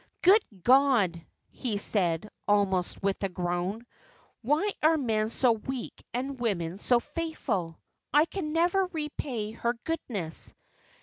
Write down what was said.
"Good God!" he said, almost with a groan. "Why are men so weak and women so faithful? I can never repay her goodness."